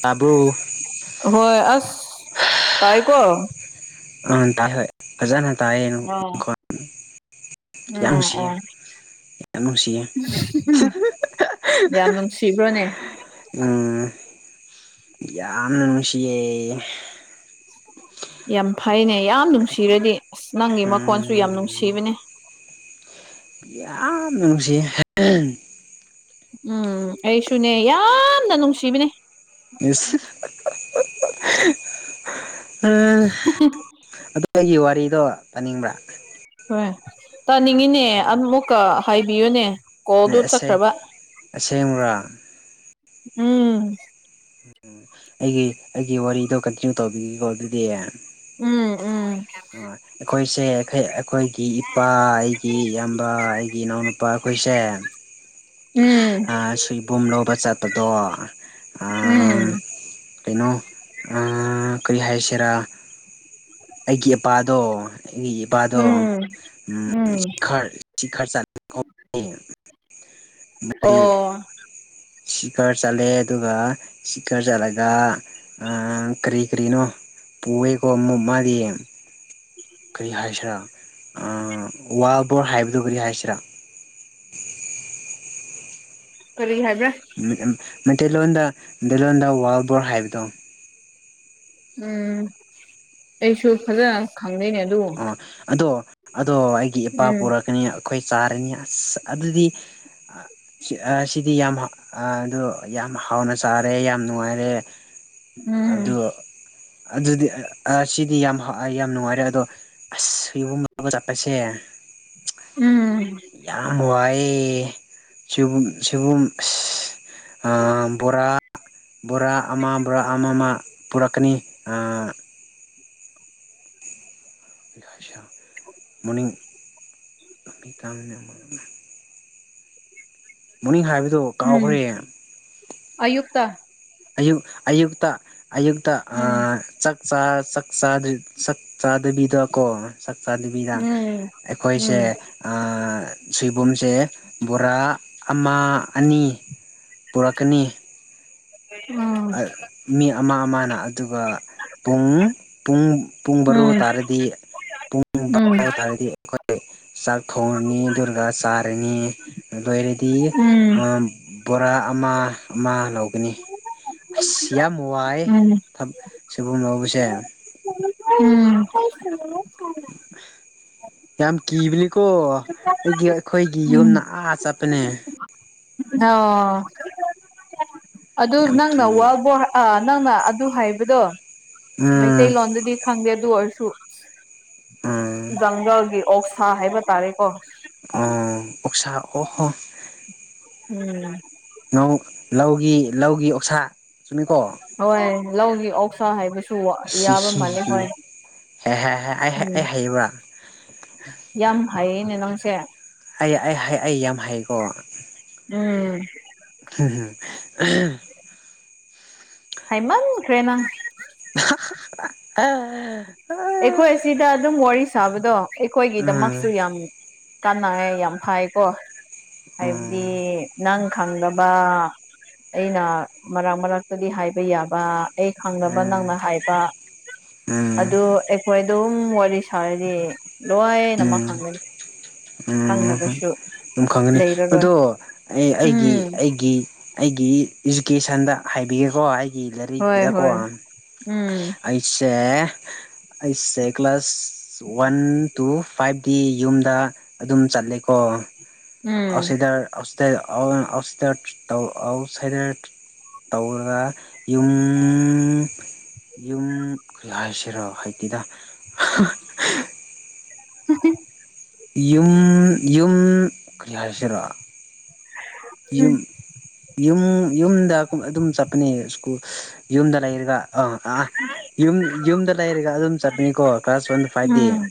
ꯇꯥꯕ꯭ꯔꯣ ꯍꯣꯏ ꯑꯁ ꯇꯥꯏꯀꯣ ꯑ ꯇꯥ ꯐꯖꯥꯅ ꯇꯥꯑꯌꯦꯅ ꯎꯝ ꯑꯣ ꯌꯥꯝ ꯅꯨꯡꯁꯤꯌꯦ ꯌꯥꯝ ꯅꯨꯡꯁꯤꯕ꯭ꯔꯣꯅꯦ ꯎꯝ ꯌꯥꯁꯤ ꯌꯥꯝ ꯐ ꯍꯥꯏꯅꯦ ꯌꯥꯝ ꯅꯨꯡꯁꯤꯔꯗꯤ ꯑꯁ ꯅꯪꯒꯤ ꯃꯈꯣꯟꯁꯨ ꯌꯥꯝ ꯅꯨꯡꯁꯤꯕꯅꯦ ꯌꯥꯝ ꯅꯨꯡꯁꯤ ꯎꯝ ꯑꯩꯁꯨꯅꯦ ꯌꯥꯝꯅ ꯅꯨꯡꯁꯤꯕꯅꯦ ꯃꯤ ꯎ ꯑꯗꯨ ꯑꯩꯒꯤ ꯋꯥꯔꯤꯗꯣ ꯇꯥꯅꯤꯡꯕ꯭ꯔꯥ ꯍꯣꯏ ꯇꯥꯅꯤꯡꯉꯤꯅꯦ ꯑꯃꯨꯛꯀ ꯍꯥꯏꯕꯤꯌꯨꯅꯦ ꯀꯣꯜꯗꯣ ꯑꯁꯤ ꯆꯠꯈ꯭ꯔꯕ ꯑꯁꯤꯁ ꯃꯥ ꯎꯝ ꯎ ꯑꯩꯒꯤ ꯑꯩꯒꯤ ꯋꯥꯔꯤꯗꯣ ꯀꯟꯇꯤꯅ꯭ꯌꯨ ꯇꯧꯕꯤꯒꯦꯀꯣ ꯑꯗꯨꯗꯤ ꯎꯝ ꯎꯝ ꯑꯩꯈꯣꯏꯁꯦ ꯑꯩꯈꯣꯏꯒꯤ ꯏꯄꯥ ꯑꯩꯒꯤ ꯏꯌꯥꯝꯕ ꯑꯩꯒꯤ ꯏꯅꯥꯎꯅꯨꯄꯥ ꯑꯩꯈꯣꯏꯁꯦ ꯎꯝ ꯁꯤꯕꯨꯝꯂꯣꯧꯕ ꯆꯠꯄꯗꯣ ꯎꯝ ꯀꯩꯅꯣ ꯀꯔꯤ ꯍꯥꯏꯁꯤꯔꯥ ꯑꯩꯒꯤ ꯏꯄꯥꯗꯣ ꯑꯩꯒꯤ ꯏꯄꯥꯗꯣ ꯎꯝ ꯎꯝ ꯎꯝꯔꯔ ꯆ ꯃꯔꯤ ꯑꯣ ꯁꯤꯀꯔ ꯆꯠꯂꯦ ꯑꯗꯨꯒ ꯁꯤꯀꯔ ꯆꯠꯂꯒ ꯀꯔꯤ ꯀꯔꯤꯅꯣ ꯄꯨꯋ ꯀꯃꯨꯝ ꯃꯗꯤꯌꯦꯦ ꯐꯕꯣꯔ ꯍꯥꯏꯕꯗꯨꯣ ꯀꯔꯤ ꯍꯥꯏꯁꯤꯔꯥ ꯑꯣꯏ ꯍꯥꯏ ꯃꯩꯇꯩꯂꯣꯟꯗ ꯃꯩꯇꯩꯂꯣꯟꯗ ꯋꯥꯜꯕꯣꯔ ꯍꯥꯏꯕꯗꯣ ꯎꯝ ꯑꯩꯁꯨ ꯐꯖ ꯑ ꯑꯗꯣ ꯑꯗꯣ ꯑꯩꯒꯤ ꯏꯄꯥ ꯎꯝ ꯄꯨꯔꯛꯀꯅꯤ ꯑꯩꯈꯣꯏ ꯆꯥꯔꯅꯤ ꯑꯁ ꯑꯗꯨꯗꯤ ꯁꯤꯗꯤ ꯌꯥꯝ ꯑ ꯌꯥꯝ ꯍꯥꯎꯅ ꯆꯥꯔꯦ ꯌꯥꯝ ꯅꯨꯡꯉꯥꯏꯔꯦ ꯑꯗꯨ ꯎꯝ ꯑꯗꯨꯗꯤ ꯁꯤꯗꯤ ꯌꯥꯝ ꯌꯥꯝ ꯅꯨꯡꯉꯥꯏꯔꯦ ꯑꯗꯣ ꯑꯁ ꯌꯕꯨꯡꯒ ꯆꯠꯄꯁꯦ ꯎꯝ ꯌꯥꯝ ꯋꯥꯏ ꯕꯣꯔꯥ ꯕꯣꯔꯥ ꯑꯃ ꯕꯣꯔꯥ ꯑꯃ ꯑꯃ ꯄꯨꯔꯛꯀꯅꯤ ꯑꯁ ꯃꯅꯤ ꯇ ꯑꯃ ꯃꯣꯔꯅꯤꯡ ꯍꯥꯏꯕꯗꯨꯣ ꯀꯥꯎꯈ꯭ꯔꯦ ꯑꯌꯨꯛꯇꯛꯇ ꯑꯌꯨꯛ ꯑꯌꯨꯛꯇ ꯑꯌꯨꯛꯇ ꯆꯥꯛ ꯆꯛ ꯆꯥꯗꯕꯤꯗ ꯀꯣ ꯆꯛ ꯆꯅꯕꯤꯗ ꯑꯩꯈꯣꯏꯁꯦ ꯁꯣꯏꯕꯨꯝꯁꯦ ꯕꯣꯔꯥ ꯑꯃ ꯑꯅꯤ ꯄꯨꯔꯛꯀꯅꯤ ꯃꯤ ꯑꯃ ꯑꯃꯅ ꯑꯗꯨꯒ ꯄꯨꯡ ꯄꯨꯡ ꯄꯨꯡ ꯕꯥꯔꯨ ꯇꯥꯔꯗꯤ ꯄꯨꯡ ꯕꯥꯔ ꯇꯥꯔꯗꯤ ꯑꯩꯈꯣꯏ ꯆꯥꯛ ꯊꯣꯡꯅꯤ ꯗꯨꯔꯒꯥ ꯆꯥꯔꯅꯤ ꯂꯣꯏꯔꯦꯗꯤ ꯕꯣꯔꯥ ꯑꯃ ꯑꯃ ꯂꯧꯒꯅꯤ ꯑꯁ ꯌꯥꯝ ꯋꯥꯏ ꯁꯒꯨꯝ ꯂꯧꯕꯁꯦ [unintelligible] ꯌꯥꯝ ꯀꯤꯕꯅꯤꯀꯣ ꯑꯩꯒꯤ ꯑꯩꯈꯣꯏꯒꯤ ꯌꯨꯝꯗ ꯑꯥ ꯆꯠꯄꯅꯦ ꯑꯣ ꯑꯗꯨ ꯌꯥꯝ ꯅꯪꯅ ꯀꯤꯌꯦ ꯋꯥꯕ ꯅꯪꯅ ꯑꯗꯨ ꯍꯥꯏꯕꯗꯣ ꯎꯝ ꯃꯩꯇꯩꯂꯣꯟꯗꯗꯤ ꯈꯪꯗꯦ ꯑꯗꯨ ꯑꯣꯏꯔꯁꯨ ꯎꯝ ꯖꯪꯒꯜꯒꯤ ꯑꯣꯛꯁꯥ ꯍꯥꯏꯕ ꯇꯥꯔꯦꯀꯣ ꯑꯣ ꯎꯁꯥ ꯑꯣꯍ ꯎꯝ ꯅ ꯂꯧꯒꯤ ꯂꯧꯒꯤ ꯑꯣꯛꯁꯥ ꯆꯨꯝꯃꯤꯀꯣ ꯍꯣꯏ ꯂꯧꯒꯤ ꯑꯛꯁꯥ ꯍꯥꯏꯕꯁꯨ ꯌꯥꯕ ꯃꯥꯜꯂꯦ ꯍꯣꯏ ꯑꯦꯍꯦ ꯍ ꯑꯩ ꯎꯝ ꯑꯩ ꯍꯥꯏꯕ ꯌꯥꯝ ꯍꯩꯌꯦꯅꯦ ꯅꯪꯁꯦ ꯑꯩ ꯑꯩ ꯍꯥꯏ ꯑꯩ ꯌꯥꯝ ꯍꯥꯏꯀꯣ ꯎꯝ [unintelligible] ꯍꯩꯃꯟ ꯀꯦꯅꯥ ꯑ ꯑ ꯑꯩꯈꯣꯏ ꯑꯁꯤꯗ ꯑꯗꯨꯝ ꯋꯥꯔꯤ ꯁꯥꯕꯗꯣ ꯎꯝ ꯑꯩꯈꯣꯏꯒꯤꯗꯃꯛꯁꯨ ꯌꯥꯝ ꯀꯥꯟꯅꯉ ꯌꯥꯝ ꯐꯥꯏꯀꯣ ꯍꯥꯏꯕꯗꯤ ꯎꯝ ꯅꯪ ꯈꯪꯗꯕ ꯑꯩꯅ ꯃꯔꯛ ꯃꯔꯛꯇꯗꯤ ꯍꯥꯏꯕ ꯌꯥꯕ ꯑꯩ ꯈꯪꯗꯅꯕ ꯅꯪꯅ ꯍꯥꯏꯕ ꯎꯝ ꯑꯗꯨ ꯑꯩꯈꯣꯏ ꯑꯗꯨꯝ ꯋꯥꯔꯤ ꯁꯥꯔꯗꯤ ꯂꯣꯏꯅꯃꯛ ꯈꯪꯒꯅꯤ ꯎꯝ ꯎꯝ ꯈꯪꯉꯒꯁꯨ ꯑꯗꯨꯝ ꯈꯪꯒꯅꯤ ꯑꯗꯣ ꯑꯩ ꯑꯩꯒꯤ ꯎꯝ ꯑꯩꯒꯤ ꯒꯤ ꯏꯖꯨꯀꯦꯁꯟꯗ ꯍꯥꯏꯕꯤꯒꯦꯀꯣ ꯑꯩ ꯑꯩꯒꯤ ꯂꯔꯤꯛ ꯍꯣꯏ ꯀꯗꯀꯣ ꯍꯣꯏ ꯎꯝ ꯑꯩꯁꯦ ꯑꯩꯁꯦ ꯀ꯭ꯂꯥꯁ ꯋꯥꯟ ꯇꯨ ꯐꯥꯏꯚꯗꯤ ꯌꯨꯝꯗ ꯑꯗꯨꯝ ꯆꯠꯂꯦꯀꯣ ꯎꯝ ꯑꯥꯎꯠꯁꯥꯏꯗꯔ ꯑꯥꯎꯠꯁꯗꯔ ꯑꯥꯎ ꯁꯠ ꯇꯧ ꯑꯥꯎꯠ ꯁꯥꯏꯗꯔ ꯇꯧꯔꯒ ꯌꯨꯝ ꯌꯨꯝ ꯀ ꯍꯥꯏꯁꯤꯔꯣ ꯍꯥꯏꯗꯤꯦꯗ ꯇ ꯌꯨꯝ ꯌꯨꯝ ꯀꯔꯤ ꯍꯥꯏꯁꯤꯔꯣ ꯌꯨꯝ ꯌꯨꯝ ꯌꯨꯝꯗ ꯑꯗꯨꯝ ꯆꯠꯄꯅꯦ ꯁꯀꯨꯜ ꯌꯨꯝꯗ ꯂꯩꯔꯒ ꯑ ꯑꯥ ꯌꯨꯝ ꯌꯨꯝꯗ ꯂꯩꯔꯒ ꯑꯗꯨꯝ ꯆꯠꯄꯅꯤꯀꯣ ꯀ꯭ꯂꯥꯁ ꯋꯥꯟ ꯐꯥꯏꯚꯗꯤ ꯎꯝ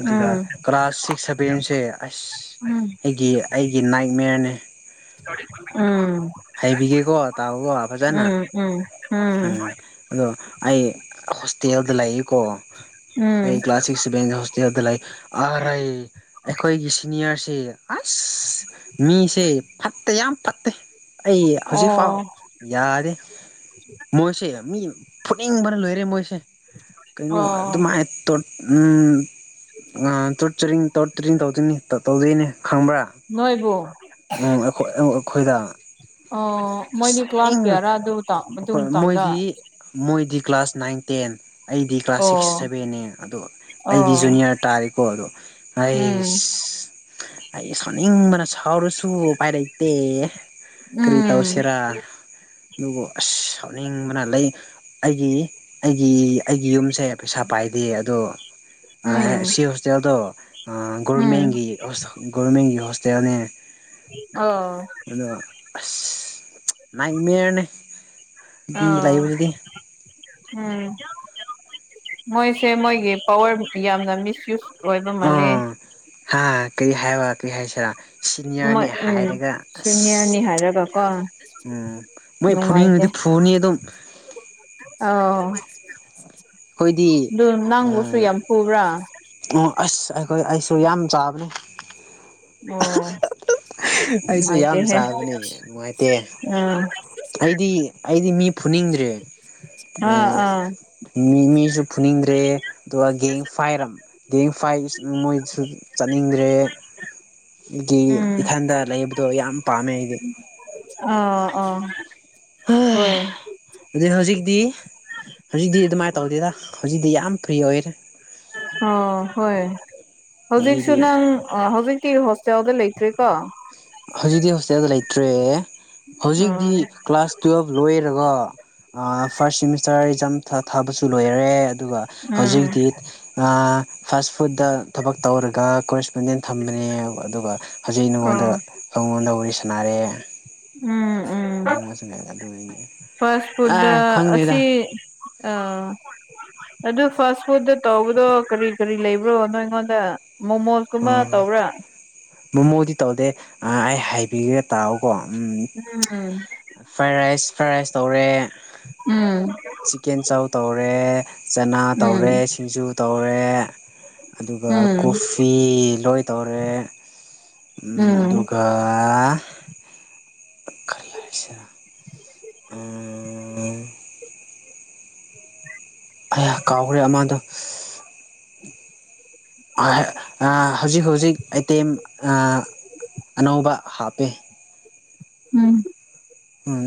ꯑꯗꯨꯒ ꯎꯝ ꯀ꯭ꯂꯥꯁ ꯁꯤꯛꯁ ꯁꯚꯦꯟꯁꯦ ꯑꯁ ꯎꯝ ꯑꯩꯒꯤ ꯑꯩꯒꯤ ꯅꯥꯏꯛ ꯃꯌꯔꯅꯦ ꯎꯝ ꯍꯩꯕꯤꯒꯦꯀꯣ ꯇꯥꯕꯀꯣ ꯐꯖꯅ ꯎꯝ ꯎꯝ ꯎꯝ ꯑꯗꯣ ꯑꯩ ꯍꯣꯁꯇꯦꯜꯗ ꯂꯩꯌꯦꯀꯣ ꯎꯝ ꯑꯩ ꯀ꯭ꯂꯥꯁ ꯁꯤꯛꯁ ꯁꯚꯦꯟꯗ ꯍ ꯁ ꯑꯗꯨꯗ ꯂꯩꯥ ꯑꯔꯩ ꯑꯩꯈꯣꯏꯒꯤ ꯁꯤꯅꯤꯌꯔꯁꯦ ꯑꯁ ꯃꯤꯁꯦ ꯑꯩ ꯐꯠꯇꯦ ꯌꯥꯝ ꯐꯠꯇꯦ ꯑꯩ ꯍꯧꯖꯤꯛ ꯐꯥꯎ ꯑꯣ ꯌꯥꯔꯦ ꯃꯣꯏꯁꯦ ꯃꯤ ꯐꯨꯅꯤꯡꯕꯅ ꯂꯣꯏꯔꯦ ꯃꯣꯏꯁꯦ ꯀꯩꯅꯣ ꯑꯣ ꯑꯗꯨꯃꯥꯏ ꯎ ꯇꯣꯔꯆꯔꯤꯡ ꯇꯔ ꯇ꯭ꯔꯤꯅꯤ ꯇꯧꯗꯣꯏꯅꯤ ꯇ ꯇꯧꯗꯣꯏꯅꯦ ꯈꯪꯕ꯭ꯔꯥ ꯅꯣꯏꯕꯨ ꯑꯩꯈꯣꯏꯗ ꯑꯣ ꯃꯣꯏꯗꯤ ꯀ꯭ꯂꯥꯁ ꯁꯥꯎꯅꯤꯡꯉ ꯀꯤꯌꯥꯔꯥ ꯑꯗꯨ ꯃꯇꯨꯡ ꯑꯩꯈꯣꯏ ꯇꯥꯎꯗ ꯃꯣꯏꯗꯤ ꯃꯣꯏꯗꯤ ꯀ꯭ꯂꯥꯁ ꯅꯥꯏꯟ ꯇꯦꯟ ꯑꯩꯗꯤ ꯀ꯭ꯂꯥꯁ ꯁꯤꯛꯁ ꯑꯣ ꯁꯚꯦꯟꯅꯦ ꯑꯗꯣ ꯑꯩꯗꯤ ꯑꯣ ꯖꯨꯅꯤꯌꯔ ꯇꯥꯔꯦꯀꯣ ꯑꯗꯣ ꯎꯝ ꯑꯩꯁ ꯑꯩ ꯁꯥꯎꯅꯤꯡꯕꯅ ꯁꯥꯎꯔꯁꯨ ꯄꯥꯏꯔꯩꯇꯦ ꯀꯔꯤ ꯎꯝ ꯇꯧꯁꯤꯔꯥ ꯑꯗꯨꯕꯨ ꯑꯁ ꯁꯥꯎꯅꯤꯡꯕꯅ ꯂꯩ ꯑꯩꯒꯤ ꯑꯩꯒꯤ ꯑꯩꯒꯤ ꯌꯨꯝꯁꯦ ꯄꯩꯁꯥ ꯄꯥꯏꯗꯦ ꯑꯗꯣ ꯎꯝ ꯁꯤ ꯍꯣꯁꯇꯦꯜꯗꯣ ꯎꯝ ꯒꯣꯔꯃꯦꯟꯒꯤ ꯒꯣꯔꯃꯦꯟꯒꯤ ꯍꯣꯁꯇꯦꯜꯅꯦ ꯑ ꯑꯗꯣ ꯑꯁ ꯅꯥꯏꯠꯃꯤꯌꯔꯅꯦ ꯑ ꯑꯗꯨꯝ ꯂꯩꯕꯗꯨꯗꯤ ꯎꯝ ꯃꯣꯏꯁꯦ ꯃꯣꯏꯒꯤ ꯄꯋꯥꯔꯕꯨꯗꯤ ꯌꯥꯝꯅ ꯃꯤꯁ ꯌꯨꯁ ꯑꯣꯏꯕꯃꯜꯂꯤ ꯑꯥ ꯍꯥ ꯀꯔꯤ ꯍꯥꯏꯔ ꯀꯔꯤ ꯍꯥꯏꯁꯤꯔꯥ ꯁꯤꯅꯤꯌꯔꯅꯤ ꯃꯣꯏ ꯎꯝ ꯍꯥꯏꯔꯒ ꯁꯤꯅꯤꯌꯔꯅꯤ ꯑꯁ ꯍꯥꯏꯔꯒꯀꯣ ꯎꯝ ꯃꯣꯏ ꯐꯣꯟ ꯅꯨꯡꯉꯥꯏꯇꯦ ꯐꯣꯟ ꯑꯗꯨꯣ ꯑꯥꯎ ꯑꯩꯈꯣꯏꯗꯤ ꯑꯗꯨ ꯅꯪꯕꯨꯁꯨ ꯌꯥꯝ ꯐꯨꯕ꯭ꯔꯥ ꯑꯣ ꯑꯁ ꯑꯩꯈꯣꯏ ꯑꯩꯁꯨ ꯌꯥꯝ ꯆꯥꯕꯅꯦ ꯑꯣ ꯑꯩꯁꯨ ꯌꯥꯝ ꯅꯨꯡꯉꯥꯏꯇꯦꯍꯦ ꯆꯥꯕꯅꯦ ꯅꯨꯡꯉꯥꯏꯇꯦ ꯑꯥ ꯑꯩꯗꯤ ꯑꯩꯗꯤ ꯃꯤ ꯐꯨꯅꯤꯡꯗ꯭ꯔꯦ ꯑ ꯑꯥ ꯑꯥ ꯃꯤ ꯃꯤꯁꯨ ꯐꯨꯅꯤꯡꯗ꯭ꯔꯦ ꯑꯗꯨꯒ ꯐꯥꯏꯔꯝ ꯐꯥꯏ ꯃꯣꯏꯁꯨ ꯆꯠꯅꯤꯡꯗ꯭ꯔꯦ ꯑꯗꯒꯤ ꯎꯝ ꯏꯊꯟꯗ ꯂꯩ ꯑꯗꯨꯣ ꯌꯥꯝ ꯄꯥꯝꯃꯦ ꯏꯗꯤ ꯑ ꯑꯥ ꯍꯣꯏ ꯑꯗꯨ ꯍꯧꯖꯤꯛꯇꯤ ꯍꯧꯖꯤꯛꯇꯤ ꯑꯗꯨꯃꯥꯏꯅ ꯇꯧꯗꯦꯗ ꯍꯧꯖꯤꯛꯇꯤ ꯌꯥꯝ ꯐ꯭ꯔꯤ ꯑꯣꯏꯔꯦ ꯑꯣ ꯍꯣꯏ ꯍꯧꯖꯤꯛꯁꯨ ꯍꯧꯖꯤꯛꯇꯤ ꯅꯪ ꯍꯧꯖꯤꯛ ꯔ ꯍꯁ ꯌꯥꯎꯗ ꯂꯩꯇ꯭ꯦ ꯀꯣ ꯍꯧꯖꯤꯛꯇꯤ ꯍꯣꯁꯇꯦꯜꯗ ꯂꯩꯇ꯭ꯔꯦ ꯍꯧꯖꯤꯛꯇꯤ ꯎꯝ ꯀ꯭ꯂꯥꯁ ꯇꯨꯋꯦꯜꯕ ꯂꯣꯏꯔꯦ ꯐꯥꯔꯁꯇꯔꯥꯝ ꯊꯥꯕꯁꯨ ꯂꯣꯏꯔꯦ ꯑꯗꯨꯒ ꯎꯝ ꯍꯧꯖꯤꯛꯇꯤ ꯐꯥꯁ ꯐꯨꯗꯇ ꯊꯕꯛ ꯇꯧꯔꯒ ꯀꯣꯔꯦꯁꯄꯣꯟꯗꯦꯟ ꯊꯝꯕꯅꯤ ꯑꯗꯨꯒ ꯍꯧꯖꯤꯛ ꯅꯉꯣꯟꯗ ꯑꯣ ꯑꯩꯉꯣꯟꯗ ꯋꯥꯔꯤ ꯁꯥꯟꯅꯔꯑꯦ ꯎꯝ ꯎꯝ ꯑꯗꯨꯅꯤꯅꯦ ꯐꯥꯁ ꯐꯨꯗ ꯑꯦ ꯈꯪꯗꯦꯗ ꯑꯁꯤꯁꯤ ꯑꯥ ꯑꯗꯨ ꯐꯥꯁ ꯐꯨꯗꯇ ꯇꯧꯕꯗꯣ ꯀꯔꯤ ꯀꯔꯤ ꯂꯩꯕ꯭ꯔꯣ ꯅꯣ ꯑꯩꯉꯣꯟꯗ ꯃꯣꯃꯣꯁꯀꯨꯝꯕ ꯎꯝ ꯇꯧꯕꯔꯥ ꯃꯣꯃꯣꯗꯤ ꯇꯧꯗꯦ ꯑꯩ ꯍꯥꯏꯕꯤꯒꯦ ꯇꯥꯛꯑꯣꯀꯣ ꯎꯝ ꯎꯝ ꯐ꯭ꯔꯥꯏ ꯔꯥꯏꯁ ꯐ꯭ꯔꯥꯏ ꯔꯥꯏꯁ ꯇꯧꯔꯦ ꯎꯝ ꯆꯤꯛꯀꯦꯟ ꯆꯧ ꯇꯧꯔꯦ ꯆꯅꯥ ꯎꯝ ꯇꯧꯔꯦ ꯁꯤꯡꯖꯨ ꯇꯧꯔꯦ ꯑꯗꯨꯒ ꯎꯝ ꯀꯣꯐꯤ ꯂꯣꯏ ꯇꯧꯔꯦ ꯎꯝ ꯑꯗꯨꯒ ꯈꯜꯂꯁꯔ ꯑ ꯑꯩꯥꯛ ꯀꯥꯎꯈ꯭ꯔꯦ ꯑꯃꯗꯣ ꯍꯧꯖꯤꯛ ꯍꯧꯖꯤꯛ ꯑꯥꯏꯇꯦꯝ ꯑꯅꯧꯕꯧꯕ ꯍꯥꯞꯄꯦ ꯎꯝ ꯎꯝ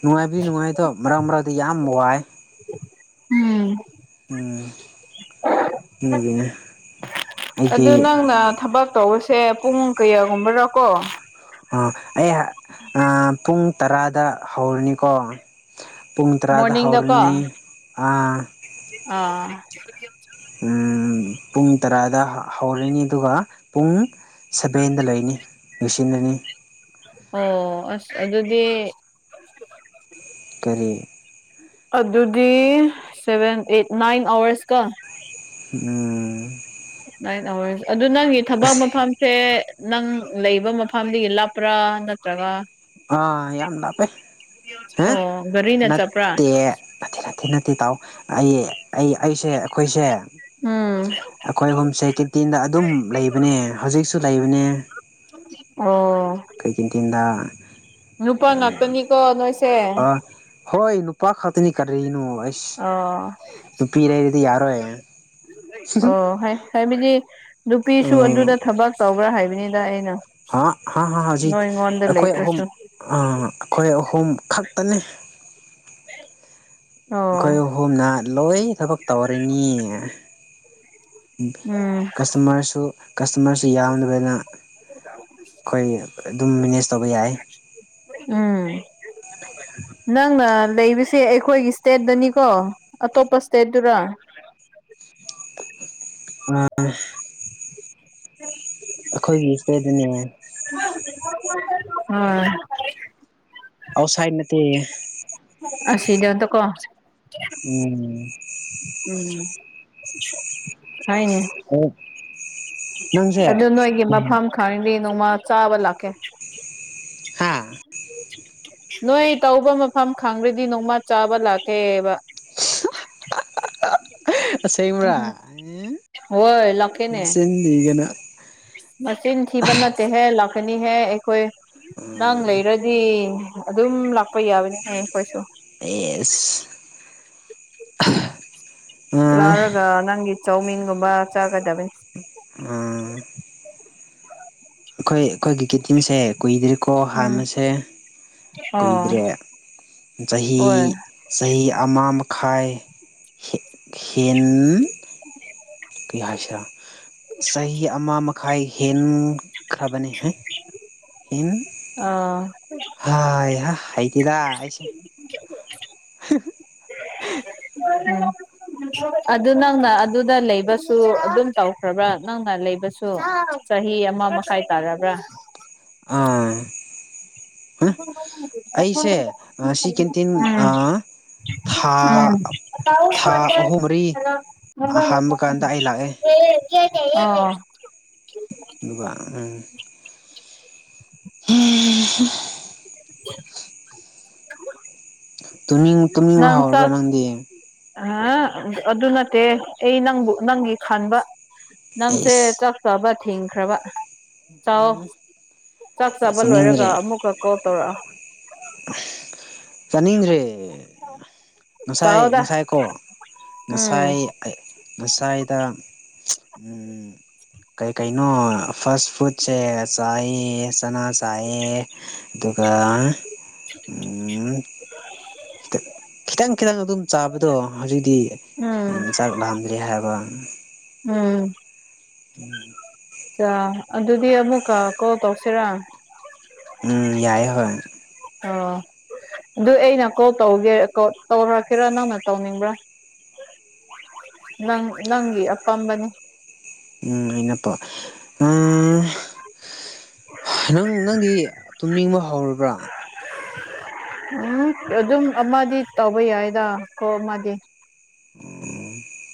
ꯅꯨꯡꯉꯥꯏꯕꯗꯤ ꯅꯨꯡꯉꯥꯏꯗ ꯃꯔꯥꯡ ꯃꯔꯥꯡꯗꯤ ꯌꯥꯝ ꯋꯥꯏ ꯎꯝ ꯎꯝ ꯌꯦꯗꯒꯤꯅꯦ ꯑꯩꯒꯤ ꯁꯦ ꯄꯨꯡ ꯀꯌꯥꯒꯨꯝꯕꯔꯥꯀꯣ ꯑꯣ ꯑꯩ ꯄꯨꯡ ꯇꯔꯥꯗ ꯍꯧꯔꯅꯤꯀꯣ ꯄꯨꯡ ꯇꯔꯥꯗ ꯃꯣꯔꯅꯤꯡꯗꯀꯣ ꯍꯧꯥꯎꯔꯤꯅꯤ ꯑ [unintelligible] ꯎ ꯄꯨꯡ ꯇꯔꯥꯗ ꯍꯧꯔꯅꯤ ꯑꯗꯨꯒ ꯄꯨꯡ ꯁꯚꯦꯟꯗ ꯂꯩꯅꯤ ꯂꯣꯏꯁꯤꯟꯅꯅꯤ ꯑꯣ ꯑꯁ ꯑꯗꯨꯗꯤ ꯀꯔꯤ ꯑꯗꯨꯗꯤ ꯁꯦꯚꯦꯟ ꯑꯦ ꯅꯥꯏꯟ ꯑꯋꯔꯁ ꯀ ꯎꯝ ꯅꯥꯏꯟ ꯑꯋꯥꯔꯁ ꯑꯗꯨ ꯅꯪꯒꯤ ꯊꯕꯛ ꯃꯐꯝꯁꯦ ꯅꯪ ꯂꯩꯕ ꯃꯐꯝꯗꯒꯤ ꯂꯞꯄ꯭ꯔꯥ ꯅꯠꯇ꯭ꯔꯒ ꯑꯥ ꯌꯥꯝꯗꯥ ꯄꯦ ꯍꯥ ꯑꯣ ꯒꯥꯔꯤꯅ ꯆꯠꯄ꯭ꯔꯥ ꯅꯠꯇꯦ ꯅ ꯅ ꯅꯠꯇꯦ ꯇꯥꯎ ꯑꯩ ꯑꯩ ꯑꯩꯁꯦ ꯑꯩꯈꯣꯏꯁꯦ ꯎꯝ ꯑꯩꯈꯣꯏ ꯑꯍꯨꯝꯁꯦ ꯀꯦꯇꯤꯟꯗ ꯑꯗꯨꯝ ꯂꯩꯕꯅꯦ ꯍꯧꯖꯤꯛꯁꯨ ꯂꯩꯕꯅꯦ ꯆ ꯀꯩꯀꯤꯟ ꯇꯤꯟꯗꯗꯥ ꯅꯄꯥꯅꯥꯥꯛꯇꯅꯤ ꯀꯣ ꯅ ꯑ ꯍꯣꯏ ꯅꯨꯄꯥ ꯈꯇꯅꯤ ꯀꯔꯅꯣ ꯑꯣ ꯅꯨ ꯄꯤꯔꯗꯤ ꯌꯥꯔꯣ ꯑꯣ ꯍꯥꯏ ꯍꯥꯏ ꯃꯤꯖꯤ ꯅꯨꯄꯤꯁꯨ ꯎꯝ ꯑꯗꯨꯗ ꯊꯕꯛ ꯇꯧꯕ꯭ꯔꯥ ꯍꯥꯏꯕꯅꯤꯗ ꯑꯩꯅ ꯍꯥ ꯍ ꯍꯖꯤ ꯅꯣꯏꯉꯣꯟꯗ ꯑꯩꯈꯣꯏ ꯍ ꯂꯩꯇ꯭ꯔꯁꯨ ꯑ ꯑꯩꯈꯣꯏ ꯀꯣꯝ ꯈꯛꯇꯅꯤ ꯑꯩꯈꯣꯏ ꯑꯣ ꯑꯍꯨꯝꯅ ꯂꯣꯏ ꯊꯕꯛ ꯇꯧꯔꯤꯅꯤ ꯎꯝ ꯀꯁꯇꯃꯔꯁꯨ ꯀꯁꯇꯃꯔꯁꯨ ꯌꯥꯝꯗꯕꯅ ꯑꯩꯈꯣꯏ ꯑꯗꯨꯝ ꯃꯦꯅꯦꯖ ꯇꯧꯕ ꯌꯥꯏ ꯎꯝ ꯅꯪꯅ ꯂꯩꯕꯁꯦ ꯑꯩꯈꯣꯏꯒꯤ ꯏꯁꯇꯦꯠꯇꯅꯤꯀꯣ ꯑꯇꯣꯞꯄ ꯏꯁꯇꯦꯠꯇꯔ ꯍ ꯑ ꯎ ꯑꯩꯈꯣꯏꯒꯤ ꯏꯁꯇ ꯑꯗꯨꯅꯦ ꯑꯣꯝ ꯑꯥꯎꯠ ꯁꯥꯏꯠ ꯅꯠꯇꯦ ꯑ ꯁꯤꯗꯗ ꯀꯣ ꯎꯝ ꯎꯝ ꯍꯥꯏꯅꯦ ꯎ ꯑꯗꯨ ꯅꯣꯏꯒꯤ ꯃꯐꯝ ꯈꯥꯉꯗ ꯅꯣꯡꯃ ꯆꯥꯕ ꯂꯥꯛꯀꯦ ꯍꯥꯥ ꯅꯣꯏ ꯇꯧꯕ ꯃꯐꯝ ꯈꯪꯈ꯭ꯔꯗꯤ ꯅꯣꯡꯃ ꯆꯥꯕ ꯂꯥꯛꯀꯦꯕ ꯑ ꯁꯦꯡ ꯃꯔꯥ ꯍꯣꯏ ꯂꯥꯛꯀꯦꯅꯦ ꯂꯩꯒꯅ ꯃꯆꯤꯟ ꯊꯤꯕꯟ ꯇꯦ ꯍꯦ ꯂꯥꯛ ꯂꯥꯛꯀꯅꯤꯍꯦ ꯑꯩꯈꯣꯏ ꯅꯪ ꯂꯩꯔꯗꯤ ꯑꯗꯨꯝ ꯂꯥꯛ ꯄꯩ ꯌꯥꯕꯅꯤ ꯀꯣꯏꯁꯨ ꯑꯦꯁ ꯑ ꯂꯥꯔꯒ ꯅꯪꯒꯤ ꯆꯧꯃꯤꯟꯒꯨꯝꯕ ꯆꯥꯒꯗꯕꯅꯦ ꯎꯝ ꯑꯩꯈꯣꯏ ꯑꯩꯈꯣꯏꯒꯤ ꯀꯦꯇꯤꯟꯁꯦ ꯀꯨꯏꯗ꯭ꯔꯤꯀꯣ ꯎꯝ ꯍꯥꯟꯅꯁꯦ ꯑꯣ ꯀꯨꯏꯗ꯭ꯔꯦ ꯆꯍꯤ ꯍꯣꯏ ꯆꯍꯤ ꯑꯃ ꯈꯥꯏ ꯍꯦꯟ ꯀ ꯍꯥꯏꯁꯤꯔꯥ ꯆꯍꯤ ꯑꯃ ꯃꯈꯥꯏ ꯍꯦꯟ ꯈꯔꯕꯅꯦ ꯍꯥꯏ ꯏꯟ ꯑꯥ ꯍꯥ ꯍꯥꯏꯩꯗꯤꯤꯗ ꯍꯥꯏꯁꯦ ꯍ ꯑꯗꯨ ꯅꯪꯅ ꯑꯗꯨꯗ ꯂꯩꯕꯁꯨ ꯑꯗꯨꯝ ꯇꯧꯈ꯭ꯔꯕ꯭ꯔꯥ ꯅꯪꯅ ꯂꯩꯕꯁꯨ ꯆꯍꯤ ꯑꯃ ꯃꯈꯥꯏ ꯇꯥꯔꯕ꯭ꯔꯥ ꯑꯥ ꯍꯥ ꯑꯩꯁꯦ ꯁꯤ ꯀꯦꯟꯇꯤꯟ ꯊꯥ ꯊꯥ ꯇ ꯑꯍꯨꯝ ꯃꯔꯤ ꯑꯍꯥꯟꯕ ꯀꯥꯟꯗ ꯀ ꯑꯩ ꯂꯥꯛꯑꯦ ꯀ ꯑꯗꯨꯒ ꯎ ꯎ [unintelligible] ꯃꯤ ꯍꯥꯎꯔ ꯀ ꯅꯗꯤ ꯍꯥ ꯑꯗꯨ ꯅꯠꯇꯦ ꯑꯩ ꯅꯪꯕꯨ ꯅꯪꯒꯤ ꯈꯟꯕ ꯅꯪꯁꯦ ꯆꯥꯛ ꯑꯩꯁ ꯆꯥꯕ ꯊꯤꯡꯈ꯭ꯔꯕ ꯆꯥꯎ ꯎꯝ ꯆꯥꯛ ꯆꯥꯕ ꯂꯣꯏꯔꯒ ꯑꯃꯨꯛꯀ ꯀꯣꯜ ꯇꯧꯔꯛꯑꯣ ꯇꯥꯅꯤꯡ꯭ꯔ ꯉꯁꯥꯏ ꯆꯥꯎꯗ ꯉꯁꯥꯏ ꯀꯣ ꯎꯝ ꯉꯁꯥꯏ ꯉꯁꯥꯏꯗ ꯀꯩ ꯀꯩꯅꯣ ꯐꯥꯁ ꯐꯨꯗꯁꯦ ꯆꯥꯏꯑ ꯆꯅꯥ ꯆꯥꯏꯑ ꯑꯗꯨꯒ ꯑꯗꯨꯒ [unintelligible] ꯈꯤꯇꯪ ꯈꯤꯇꯪ ꯑꯗꯨꯝ ꯆꯥꯕꯗꯣ ꯍꯧꯖꯤꯛꯇꯤ ꯎꯝ ꯆꯥꯛ ꯂꯥꯛꯝꯗ꯭ꯔꯦ ꯍꯥꯏꯕ ꯎꯝ ꯎꯝ ꯑ ꯑꯗꯨꯗꯤ ꯑꯃꯨꯛꯀ ꯀꯣꯜ ꯇꯧꯁꯤꯔꯥ ꯎꯝ ꯌꯥꯏꯑ ꯍꯣꯏ ꯑꯣ ꯑꯗꯨ ꯑꯩꯅ ꯀꯣꯜ ꯇꯧꯒꯦ ꯇꯧꯔꯛꯀꯦꯔꯥ ꯅꯪꯅ ꯇꯧꯅꯤꯡꯕ꯭ꯔꯥ ꯅꯪ ꯅꯪꯤ ꯑꯄꯥꯑꯝꯕꯅꯤ ꯎꯝ ꯑꯩꯅꯠꯇꯣ ꯑ ꯅꯪ ꯅꯪꯗꯤ ꯇꯨꯝꯅꯤꯡꯕ ꯍꯧꯔꯕ꯭ꯔꯥ ꯎꯝ ꯑꯗꯨꯝ ꯑꯃꯗꯤ ꯇꯧꯕ ꯌꯥꯏꯗ ꯀꯣ ꯑꯃꯗꯤ ꯎꯝ